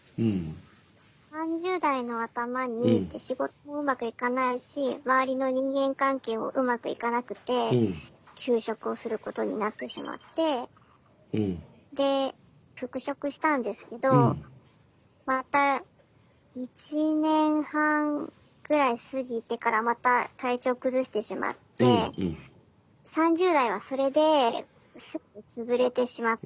３０代のあたまに仕事もうまくいかないし周りの人間関係もうまくいかなくて休職をすることになってしまってで復職したんですけどまた１年半ぐらい過ぎてからまた体調崩してしまって３０代はそれで全てつぶれてしまったんですね。